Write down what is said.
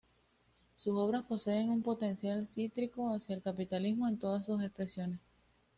Sus obras poseen un potencial crítico hacia el capitalismo en todas sus expresiones.